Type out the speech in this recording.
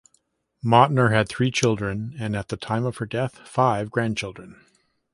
Mautner had three children and at the time of her death five grandchildren.